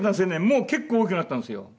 もう結構大きくなったんですよ。